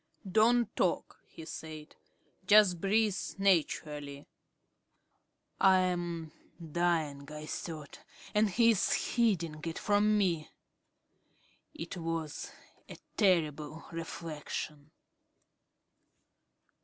"Don't talk," he said. "Just breathe naturally." "I am dying," I thought, "and he is hiding it from me." It was a terrible reflection.